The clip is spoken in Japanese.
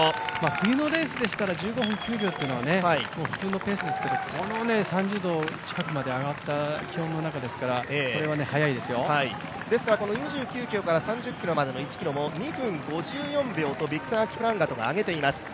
冬のレースでしたら１５分９秒というのは、普通のペースですけど、この３０度近くまで上がって気温の中ですからですから２９ｋｍから３０ｋｍの１ｋｍも２分５４秒と、ビクター・キプランガトが上げています。